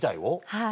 はい。